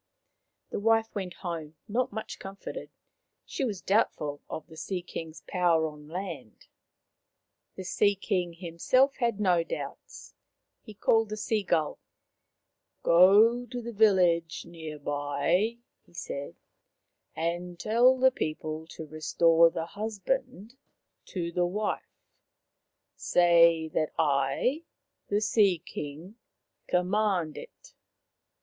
The wife went home, not much comforted. She was doubtful of the Sea king's power on land. The Sea king himself had no doubts. He called a sea gull. " Go to the village near by," he said, " and tell the people to restore the husband to the wife. Say that I, the Sea king, command it."